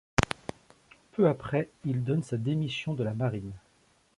Peu après, il donne sa démission de la marine.